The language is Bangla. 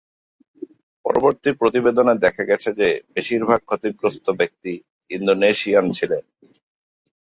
পরবর্তী প্রতিবেদনে দেখা গেছে যে বেশিরভাগ ক্ষতিগ্রস্ত ব্যক্তি ইন্দোনেশিয়ান ছিলেন।